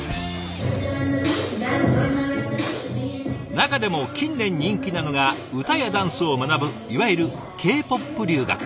中でも近年人気なのが歌やダンスを学ぶいわゆるＫ−ＰＯＰ留学。